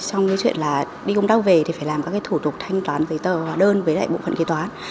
trong cái chuyện là đi công tác về thì phải làm các cái thủ tục thanh toán giấy tờ hóa đơn với lại bộ phận kế toán